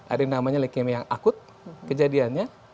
ada yang namanya leukemia yang akut kejadiannya